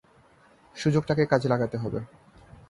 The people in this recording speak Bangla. সুযোগটাকে কাজে লাগাতে হবে।